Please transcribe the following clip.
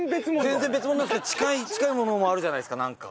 全然別物なんですけど近いものもあるじゃないですかなんか。